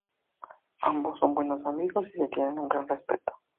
Ambos son buenos amigos y se tienen un gran respeto.